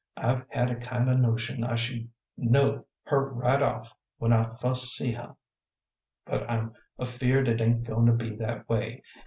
I've had a kind o' notion I should know her right off when I fust see her, but I'm afeared it ain't goin' to be that way.